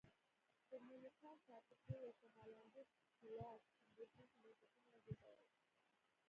په مولوکان ټاپو ټولګه کې هالنډي ښکېلاک زبېښونکي بنسټونه وزېږول.